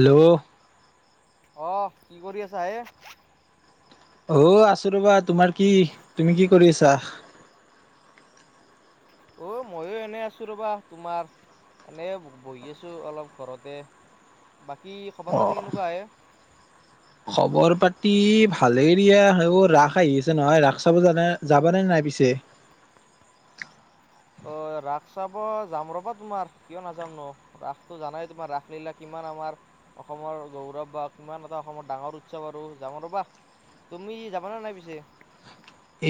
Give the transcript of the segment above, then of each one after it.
Hello আহ কি কৰি আছা হে অ আছো ৰবা তোমাৰ কি তুমি কি কৰি আছা অ মইয়ো এনে আছো ৰবা তোমাৰ এনেই বহি আছো অলপ ঘৰতে বাকী খবৰ পাতি অ' কেনেকুৱা আহে খবৰ পাতি ভালে দিয়া সব ৰাস আহি আছে নহয় ৰাস চাব জানে যাব নে নাই পিছে অ ৰাস চাব যাম ৰ'বা তোমাৰ কিয় নাযাম ন ৰাসতটো জানাই তোমাৰ ৰাস লীলা কিমান। কিমান আমাৰ অসমৰ গৌৰৱ বা কিমান এটা অসমৰ ডাঙৰ উৎসৱ আৰু যামওঁ ৰ'বা। তুমি যাবানে নাই পিছে।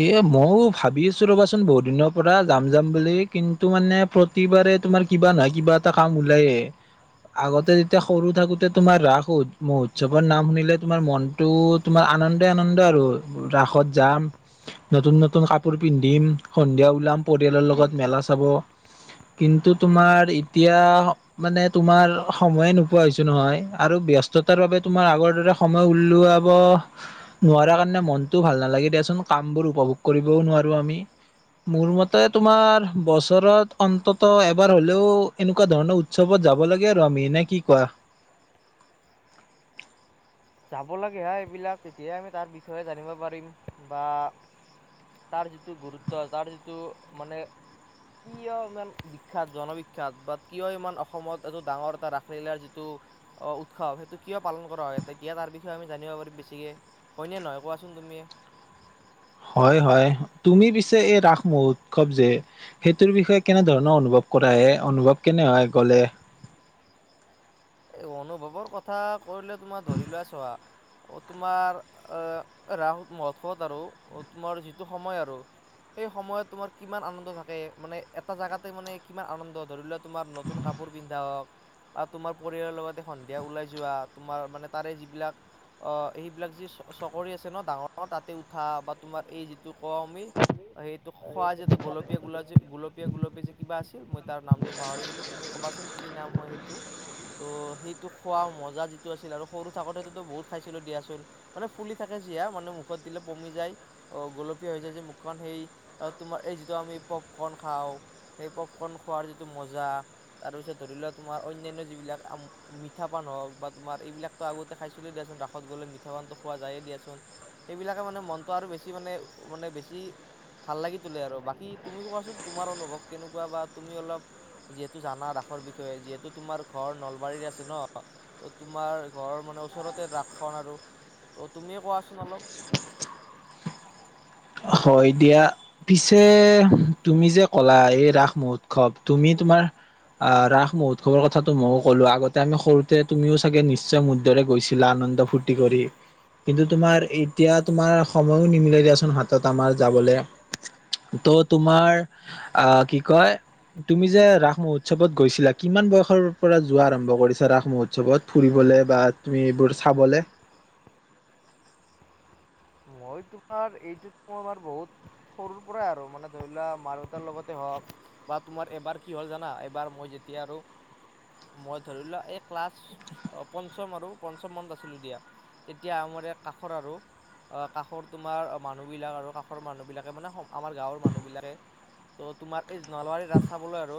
এ মইো ভাবি আছো ৰ'বাচোন বহুত দিনৰ পৰা যাম যাম বুলি কিন্তু মানে প্ৰতিবাৰ। তাতে তোমাৰ কিবা নহয় কিবা এটা কাম ওলাই। আগতে যেতিয়া সৰু থাকোতে তোমাৰ ৰাস মহোৎসৱৰ নাম শুনিলে তোমাৰ মনটো তোমাৰ আনন্দে আনন্দ আৰু ৰাসত যাম নতুন নতুন কাপোৰ পিন্ধিম সন্ধিয়া ওলাম পৰিয়ালৰ লগত মেলা চাব। কিন্তু তোমাৰ এতিয়া মানে তোমাৰ সময়ে নোপোৱা হৈছো নহয় আৰু ব্যস্ততাৰ বাবে তোমাৰ আগৰ দৰে সময় উলাব নোৱাৰা কাৰণে মনতটো ভাল নালাগে দিয়াচোন। কামবোৰ উপভোগ কৰিবও নোৱাৰোঁ আমি। মোৰ মতে তোমাৰ বছৰত অন্তত এবাৰ হলেও এনেকুৱা ধৰণৰ উৎসৱত যাব লাগে আৰু আমি এনে কি কোৱা। যাব লাগে হা এইবিলাক তেতিয়াই আমি তাৰ বিষয়ে জানিব পাৰিম বা তাৰ যিটো গুৰুত্ব তাৰ যিটো মানে কিয় ইমান বিখ্যাত জন বিখ্যাত বা কিয় ইমান অসমত এটো ডাঙৰ এটা ৰাসলীলাৰ যিটো। অ উৎসৱ সেইটো কিয় পালন কৰা হয়। তেতিয়া তাৰ বিষয়ে আমি জানিব পাৰিম বেছিকে হয়ন নহয় কোৱাচোন তুমি। হয় হয় তুমি পিছে এই ৰাস মহোৎসৱ যে সেইটোৰ বিষয়ে কেনেধৰণৰ অনুভৱ কৰা হে, অনুভৱ কেনে হয় গ'লে? এই অনুভৱৰ কথা কৰিলে তোমাৰ ধৰি লোৱা চোৱা। অ তোমাৰ এ ৰাস মহৎসত আৰু তোমাৰ যিটো সময় আৰু। সেই সময়ত তোমাৰ কিমান আনন্দ থাকে, মানে এটা জেগাতে মানে কিমান আনন্দ ধৰি লোৱা তোমাৰ নতুন কাপোৰ পোৰ পিন্ধা হওক বা তোমা পৰিয়ালৰ লগতে সন্ধিয়া ওলাই যোৱা, তোমাৰ মানে তাৰে যিবিলাক সেইবিলাক যি চকৰি আ আছে ন ডাঙৰ তাতে উঠা বা তোমাৰ এই যিটো কমি সেইটো খোৱা যে গোলপীয়া গোলাপী গোলপীয়া গুলপীয়া যে কিবা আছিল মই তাৰ নামটো পাহৰি গলোঁ, তুমি কবাচোন কি নাম হয় সেইটো। তো সেইটো খোৱা মজা যিটো আছিল আৰু সৰু থাকোতে বহুত খাইছিলো দিয়াচোন মানে ফুলি থাকে জিয়া মানে মুখত দিলে পমি যায়, অ'গোলপীয়া হয় যায় যে মুখখন, সেই তোমাৰ এই যিটো আমি পপকৰ্ণ খা আও সেই পপকৰ্ণ খোৱাৰ যিটো মজা, তাৰপিছত ধৰি লোৱা তোমাৰ অন্যান্য যিবিলাক মিঠাপান হওঁক বা তোমাৰ এইবিলাকতো আগতে খাইছিলোঁ দিয়াচোন ৰাসত গ'লে মিঠাপানটো খোৱা যায়েই দিয়াচোন। এইবিলাকে মানে মনটো আৰু বেছি মানে মানে বেছি। ভাল লাগি তোলে আৰু বাকী তুমি কোৱাচোন তোমাৰ অনুভৱ কেনেকুৱা বা তুমি অলপ যিহেতু জানা ৰাসৰ বিষয়ে যিহেতু তোমাৰ ঘৰ নল বাৰীৰ আছে ন ত তোমাৰ ঘৰৰ মানে ওচৰতে ৰাসখন আৰু। ত তুমিয়ে কোৱাচোন অলপ? [unintelligible] হয় দিয়া, পিছে তুমি যে ক'লা এই ৰাস মহোৎসৱ তুমি তোমাৰ আ ৰাস মহোৎসৱৰ কথাটো মইয়ো ক'লো আগতে আমি সৰুতে তুমিও চাগে নিশ্চয় মুদ দৰে গৈছিলা। আনন্দ ফূৰ্তি কৰি কিন্তু তোমাৰ এতিয়া তোমাৰ সময়ো নিমিলে দিয়াচোনা। টোত আমাৰ যাবলৈ তো তোমাৰ আহ কি কয়। তুমি যে ৰাস মহোৎসৱত গৈছিলা কিমান বয়সৰ পৰা যোৱা আৰম্ভ কৰিছা ৰাস মহোৎসৱত ফুৰিব? যাবলৈ বা তুমি এইবোৰ চাবলৈ। মই তোমাৰ এইটোত মই মোৰ বহুত সৰুৰ পৰাই আৰু মানে ধৰি লোৱা মা দেউতাৰ লগতে হওঁক বা তোমাৰ এবাৰ কি হ'ল জানা এবাৰ মই যেতিয়া এতিয়া আৰু মই ধৰি লোৱা এই ক্লাছ পঞ্চম আৰু পঞ্চম মন্ত আছিলো দিয়া তেতিয়া আমাৰ কাষৰ আৰু আ কাষৰ তোমাৰ মানুহবিলাক আৰু কাষৰ মানুহবিলাকে মানে আমাৰ গাঁৱৰ মানুহবিলাকে তো তোমাৰ এই নলবাৰীৰ ৰাস চাবলৈ আৰু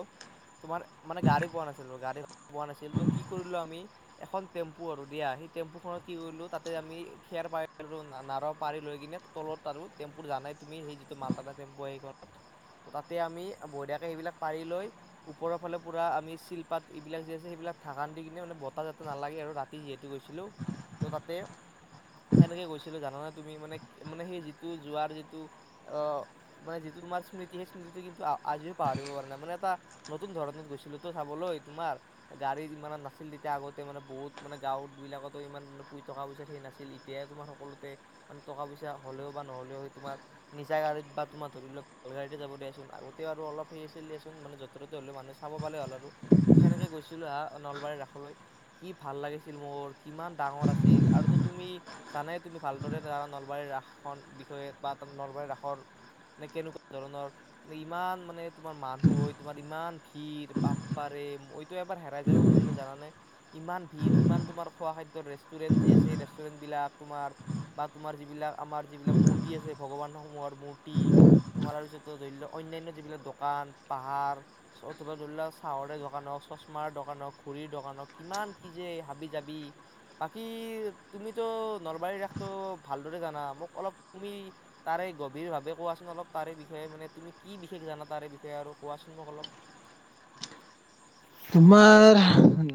তোমাৰ মানে গাড়ী পোৱা নাছিল গাড়ী পোৱা নাছিল ত কি কৰিলো আমি এখন টেম্পু দিয়া হে আমি টেম্পুখনত কি কৰিলোঁ তাতে আমি খেৰ পাৰিলো নাৰদ পাৰি লৈ কিনে তলত আৰু টেম্পু জানাই তুমি সেই যিটো মালতা টেম্পু সেইখনত ত তাতে আমি বদীয়াকে সেইবিলাক পাৰি লৈ ওপৰৰ ফালে পুৰা আমি শিলপাত এইবিলাক যে আছে সেইবিলাক ঢাকান দি কিনে মানে বতাহ যাটো নালাগে আৰু ৰাতি যিহেতু গৈছিলো ত তাতে সেনেকে গৈছিলো জাননেত তুমি মানে মানে সেই যিটো যোৱাৰ যিটো অ' মানে যিটো তোমাৰ স্মৃতি সেই স্মৃতিটো আহ আজিও পাহৰিব পৰা পশ নাই মানে এটা নতুন ধৰণত গৈছিলো তো চাবলৈ তমাৰ গাড়ী ইমানত নাছিল। তেতিয়া আগতে মানে বহুত মানে গাঁৱত বিলাকতো ইমান মানে টকা পইচা সেই নাছিল এতিয়াই তোমাৰ সকলোতে মানে টকা পইচা হ'লেও বা নহ'লেও তোমাৰ নিজা গাড়ীত বা তোমাৰ ধৰি লওক বেল গাড়ীতে যাব দিয়াচোন আগতেও আৰু অলপ সে আছিল দিয়াচোন মানে যতৰতে হ'লে মানুহ চাব পালে হল আৰু ত সেনেকে গৈ ছিলো হা নলবাৰীৰ ৰাসলৈ কি ভাল লাগিছিল, মোৰ কিমান ডাঙৰ আছিল, আৰুটো তুমি জানে তুমি ভালদৰে নাজানা নলবাৰীৰ ৰাসৰ বিষয়ে বা নলবাৰীৰ ৰাসৰ নে কেনেকুৱা ধৰণৰ ইমান মানে তোমাৰ মানুহ হয়, তোমাৰ ইমান ভিৰ বাপ পাৰে। এ ময়টো এবাৰ হেৰাই যাব খৈছিলো জানানে ইমান ভিৰ ইমান তোমাৰ খোৱা খাদ্যৰ ৰেষ্টুৰেন্ট যি আছে। ৰেষ্টুৰেণ্টবিলাক তোমাৰ বা তোমাৰ যিবিলাক আমাৰ যিবিলাক মূৰ্তি আছে, ভগৱানসমূহৰ মূৰ্তি। তোমাৰাৰ পিছতো ধৰি লওঁক অন্যানয় যিবিলাক দোকান পাহাৰ অথবা ধৰি লওঁক চাহৰে দোকান হওঁক। চশমাৰ দোকানৰ হওঁক, ঘড়ীৰ দোকানৰ হওঁক, কিমান কি যে হাবি জাবি বাকী তুমিতো নলবাৰী ৰাস তো ভালদৰে জানা। মোক অলপ তুমি তাৰে গভীৰভাৱে কোৱাচোন অলপ তাৰে বিষয়ে মানে তুমি কি বিশেষ জান তাৰাৰে বিষয়ে আৰু কোৱাচোন মোক অলপ। তোমাৰ।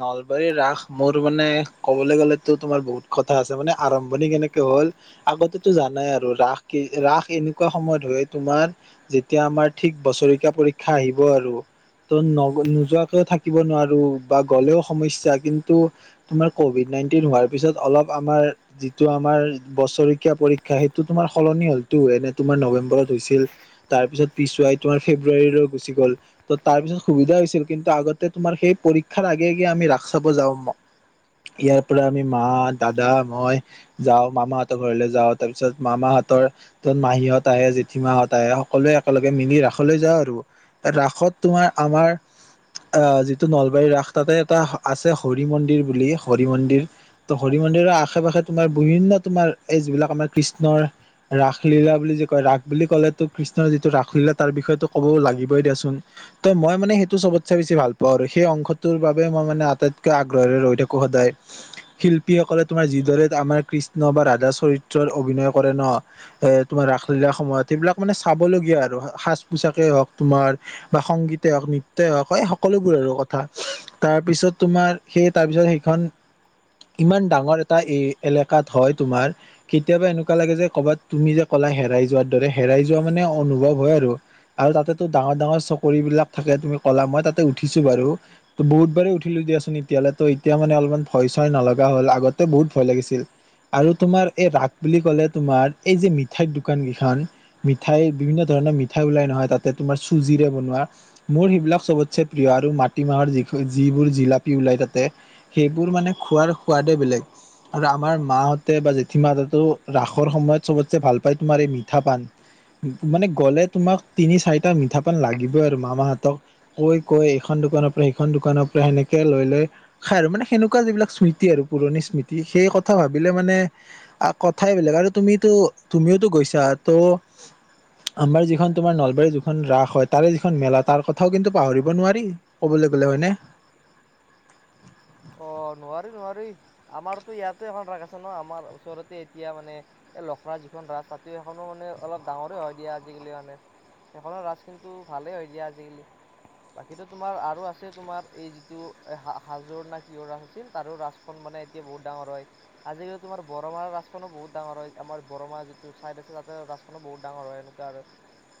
নলবাৰীৰ ৰাস মোৰ মানে ক'বলৈ গ'লেতো তোমাৰ বহুত কথা আছে মানে আৰম্ভণি কেনেকৈ হ'ল। আগতেতো জানাই আৰু ৰাস কি, ৰাস এনেকুৱা সময়ত হৈ তোমাৰ যেতিয়া আমাৰ ঠিক বছৰেকীয়া পৰীক্ষা আহিব আৰু ত' নগ-নোযোৱাকৈ থা থাকিব নোৱাৰোঁ বা গ'লেও সমস্যা, কিন্তু তোমাৰ ক'ভিড নাইনটিন হোৱাৰ পিছত অলপ আমাৰ যিটো আমাৰ বছৰেকীয়া পৰীক্ষা হেইটো তোমাৰ সলনি হ'লতো, এনে তোমাৰ নৱেম্বৰত হৈছিল তাৰ পিছত পিছুৱাই তোমাৰ ফেব্ৰুৱাৰীলৈ গুচি গ'ল, ত' তাৰ পিছত সুবিধা হৈছিল কিন্তু আগত তোমাৰ সেই পৰীক্ষাৰ আগে, আগে আমি ৰাস চাব যাওঁ, ম ইয়াৰ পৰা আমি মা, দাদা, মই যাওঁ মামাহঁতৰ ঘৰলে যাওঁ, তাৰ পিছত মামাহঁত তৰ, ত' মাহীহঁত আহে, জেঠীমাহঁত আহে, সকলোৱে একেলগে মিলি ৰাসলৈ যাওঁ আৰু ৰাস সত তোমাৰ, আমাৰ অ', যিটো নলবাৰীৰ ৰাস তাতে এটা আছে হৰি মন্দিৰ বুলি, হৰি মন্দিৰ ত' হৰি মন্দিৰ আশে পাশে তোমাৰ বিভিন্ন তোমাৰ এই যিবিলাক আমাৰ কৃষ্ণৰ ৰাসলীলা বুলি যে, কয় ৰাস বুলি ক'লেতো কৃষ্ণৰ যিটো ৰাসলীলা তাৰ বিষয়েটো ক'ব লাগিবই দিয়াচোন, ত' মই মানে সেইটো চবত বেছি ভাল পাওঁ, আৰু সেই অংশটোৰ বাবে মই মানে আটাইতকৈ আগ্ৰহেৰে ৰৈ থাকোঁ সদায়। শিল্পী সকলে তোমাৰ যিদৰে আমাৰ কৃষ্ণ বা ৰাধা চৰিত্ৰত অভিনয় কৰে ন! এ, তোমাৰ ৰাসলীলা সম সেইবিলাক মানে চাবলগীয়া আৰু সাজ পোছাকেই হওঁক, তোমাৰ বা সংগীতে হওঁক, নৃত্যয়ে হওঁক হয়, সকলোবোৰ আৰু কথা তাৰপিছত তোমাৰ সেই তাৰপিছত সেইখন ইমান ডাঙৰ এটা এই এলেকাত হয়, তোমাৰ কেতিয়াবা এনেকুৱা লাগে যে, কৰ'বাত তুমি যে হেৰাই যোৱাৰ দৰে, হেৰাই যোৱা মানে অনুভৱ হয়, আৰু। আৰু তাতেতো ডাঙৰ, ডাঙৰ চকৰি বিলাক থাকে তুমি ক'লা মই তাতে উঠিছোঁ বাৰু, ত' বহুত বাৰে উঠিলোঁ দিয়াচোন এতিয়ালে ত' এতিয়া মানে অলপমান ভয় চয় নলগা হ'ল আগতে বহুত ভয় লাগিছিল। আৰু তোমাৰ এই ৰাস বুলি ক'লে তোমাৰ এই যে, মিঠাইৰ দোকান কিখন, মিঠাই বিভিন্ন ধৰণ মিঠাই ওলাই নহয়, তাতে তোমাৰ চুজিৰে বনোৱা মোৰ সিবিলাক চবতছে প্ৰিয় আৰু মাটিমাহৰ যি-যিবোৰ জিলাপি ওলাই তাতে, সেইবোৰ মানে খোৱাৰ সোৱাদ দে, বেলেগ আৰু আমাৰ মাহঁতে বা জেঠী মাহতেঁতো ৰাসৰ সময়ত চবতচে ভাল পায় তোমাৰ এই মিঠা পান। মানে গ'লে তোমাক তিনি, চাৰিটা মিঠাপান লাগিবই আৰু মামাহঁতক। কৈ, কৈ এইখন দোকানৰ পৰা, সিখন দোকানৰ পৰা সেনেকে লৈ, লৈ খাই আৰু মানে সেনেকুৱা যিবিলাক স্মৃতি আৰু। পুৰণি স্মৃতি সেই কথা ভাবিলে মানে আ, কথাই বেলেগ আৰু তুমিটো, তুমিয়োতো গৈছা ত' আমাৰ যিখন তোমাৰ নলবাৰীৰ যিখন ৰাস হয়, তাৰে যিখন মেলা তাৰ কথাও কিন্তু পাহৰিব নোৱাৰি, ক'বলৈ গ'লে হয়নে? অ', নোৱাৰি, নোৱাৰি আমাৰতো ইয়াতো এখন ৰাখ আছে ন! আমাৰ ওচৰতে এতিয়া মানে এই লখৰা যিখন ৰাস, [unintelligible] সেইখনো মানে অলপ ডাঙৰে হয়, দিয়া আজিকালি মানে সেইখনৰ ৰাচ কিন্তু ভালে হয়, দিয়া আজিকালি বাকীটো তোমাৰ আৰু আছে, তোমাৰ এই যিটো হা-হাজোৰ নে [unintelligible] ৰাস আছিল, তাৰো ৰাচখন মানে এতিয়া বহুত ডাঙৰ হয়, আজিকালি তোমাৰ বৰমাৰ ৰাচখনো বহুত ডাঙৰ হয় আমাৰ বৰমা যিটো চাইদ আছে তাতে ৰাচখনো বহুত ডাঙৰ হয়, এনেকুৱা আৰু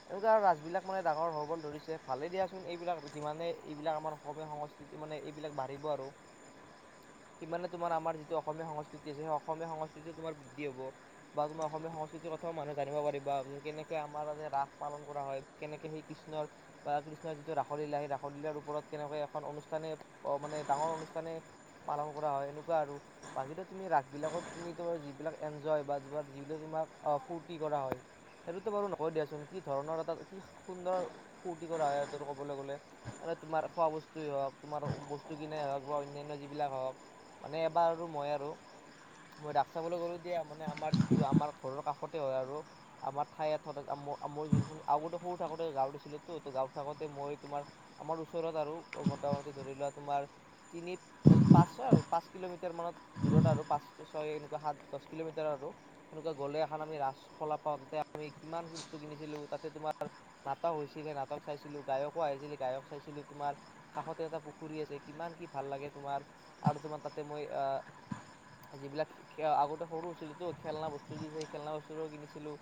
এনেকুৱা আৰু ৰাজবিলাক মানে ডাঙৰ হ'বলৈ ধৰিছে ভালে দিয়াচোন, এইবিলাক যিমানে এইবিলাক আমাৰ অসমীয়া সংস্কৃতি মানে এইবিলাক বাঢ়িব আৰু। সিমানে তোমাৰ আমাৰ যিটো সংস্কৃতি আছে সেই অসমীয়া সংস্কৃতি তোমাৰ বৃদ্ধি হ'ব বা তোমাৰ অসমীয়া সং [unintelligible] কথাও মানুহে জানিব পাৰিবা যে, কেনেকে আমাৰ ৰাস পালন কৰা হয়, কেনেকে সেই কৃষ্ণৰ বা কৃষ্ণ যিটো ৰাসলীলা সেই ৰাসলীলাৰ ওপৰত কেনেকৈ এখন অনুষ্ঠানে অ', মানে ডাঙৰ অনুষ্ঠানে পালন কৰা হয়, এনেকুৱা আৰু বাকীটো তুমি ৰাস বিলাকত তুমিটো যিবিলাক এনজয় বা [unintelligible] বা অ', ফূৰ্তি কৰা হয়। সেইটোতো বাৰু নহয় দিয়াচোন কি ধৰণৰ এটা কি সুন্দৰ ফূৰ্তি কৰা হয় সটো ক'বলৈ গ'লে। তোমাৰ খোৱা বস্তুৱেই হওঁক তোমাৰ বস্তু কিননে হওঁক। হোৱা অন্যান্য যিবিলাক হওঁক মানে এবাৰ আৰু মই আৰু মই ৰাস চাবলৈ গলো দিয়া মানে আমাৰ যিটো আমাৰ ঘৰৰ কাষতে হয় আৰু আমাৰ ঠাই এঠ মো মোৰ যোনখন আগতে সৰু থাকোতে গাঁৱত আছিল তো তো গাঁৱত থাকোতে মই তোমাৰ আমাৰ ওচৰত আৰু মোটামুটি ধৰি লোৱা তোমাৰ তিনি পাঁচ ছয় আৰু পাঁচ কিলোমিটাৰ মানত দূৰত আৰু পাঁচ ছয় এনেকুৱা সাত দহ কিলোমিটাৰ তেনেকুৱা গ'লে এখন আমি ৰা খলা পাওঁ তাতে আমি কিমান কি বস্তু কিনিছিলো তাতে তোমাৰ ন তা হৈছিলে নাটক চাইছিলো গায়কো আহিছিলে গায়ক চাইছিলো তোমাৰ কাষতে এটা পুখুৰী আছে, কিমান কি ভাল লাগে তোমাৰ আৰু তোমাৰ তাতে মই অ'। যিবিলাক আগতে সৰু হৈছিলো তো খেলনা বস্তু দিছে সেই খেলনা বস্তু কিনিছিলো।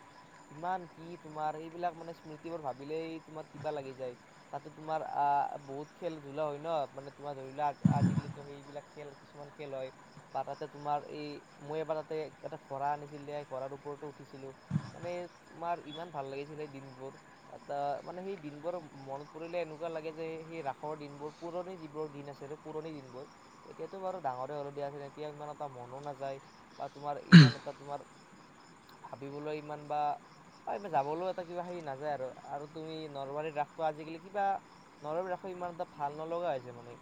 কিমান কি তোমাৰ এইবিলাক মানে স্মৃতিবোৰ ভাবিলেই তোমাৰ কিবা লাগি যায় তাতে তোমাৰ অহ অহ, বহুত খেল ধোলা হয় ন' মানে তোমাৰ ধৰি লোৱা আজিকালিটো সেইবিলাক খেল কিছুমান খেল হয় বা তাতে তোমাৰ এই মই এবাৰ তাতে এটা বা আনিছিলে ঘৰাৰ ওপৰতো উঠিছিলো মানে তোমাৰ ইমান ভাল লাগিছিলে দিনবোৰ এটা অহ, মানে সেই দিনবোৰ মনত পৰিলে এনেকুৱা লাগে যে সেই ৰাসৰ দিনবোৰ পুৰণি যিবোৰ দিন আছে। পুৰণি দিনবোৰ এতিয়াতো বাৰু ডাঙৰে হ'লো দিয়া আছিল এতিয়া ইমান এটা মনো নাযায় বা তোমাৰ ইমান তোমাৰ ভাবিবলৈ ইমান বা হয় যাবলৈও এটা কিবা হেৰি নাযায় আৰু তুমি নলবাৰীত ৰাসটো আজিকালি কিবা নলবাৰী ৰাসৰ ইমান এটা ভাল নলগা হৈছে মানে।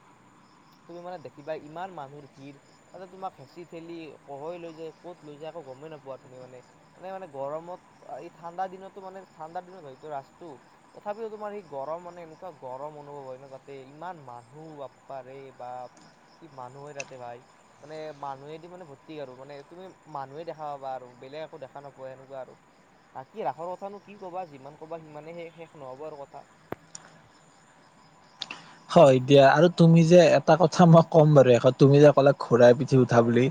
তুমি মানে দেখিবা ইমান মানুহৰ ভিৰ তাতে তোমাক হেঁচি ঠেলি কহৈ লৈ যায়, ক'ত লৈ যায় টো গমেই নোাপোৱা তুমি মানে এনে মানে গৰমত এই ঠাণ্ডা দিনতো মানে ঠাণ্ডা দিনত হয়টো ৰাসটো। তথাপিও তোমাৰ সি গৰম মানে এনেকুৱা গৰম অনুভৱ হয় ন' তাতে ইমান মানুহ বাপাৰে। বা কি মানুহ হয় তাতে ভাই, মানে মানুহেদি মানে ভৰ্তি আৰু মানে তুমি মানুহে দেখা পাবা আৰু। বেলেগ একো দেখা নপোৱা সেনেকুৱা আৰু। বাক কি ৰাসৰ কথানো কি কবা যিমান কবা সিমানে শেষ শেষ নহ'ব আৰু কথা। [inaudible] হয় দিয়া আৰু তুমি যে এটা কথা মই ক'ম বাৰু শেষত তুমি যে ক'লা ঘোঁৰাৰ পিঠিত উঠা বুলি।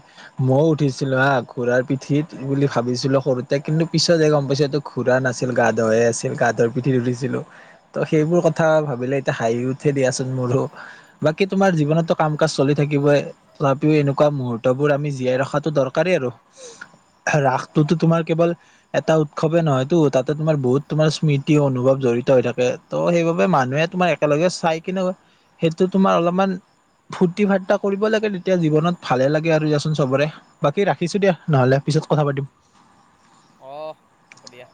মইয়ও উঠিছিলো হা ঘোঁৰাৰ পিঠিত বুলি ভাবিছিলো সৰুতে কিন্তু পিছত গম পাইছে তটো ঘোঁৰা ৰা, নাছিল গাধ হে আছিল গাধৰ পিঠি উঠিছিলো ত' সেইবোৰ কথা ভাবিলে এতিয়া হাঁহি উঠে দিয়াচোন মোৰো বাকী তোমাৰ জীৱনতো কাম কাজ চলি থাকিবই তথাপিও এনেকুৱা মুহূৰ্ত টো আমি জিয়াই ৰখাটো দৰকাৰী আৰু। ৰাসটোতো তোমাৰ কেৱল এটা উৎসৱে নহয়তো তাতে তোমাৰ বহুত তোমাৰ স্মৃতি, অনুভৱ জ জড়িত হৈ থাকে ত সেইবাবে মানুহে তোমাৰ একেলগে চাই কেনে সেইটো তোমাৰ অলপমান ফূৰ্তি ফাৰ্তা কৰিব লাগে তেতিয়া জীৱনত ভালে লাগে আৰু দিয়াচোন চবৰে বাকী ৰাখিছো দিয়া নহলে। পিছত কথা পাতিম। অ হ'ব দিয়া।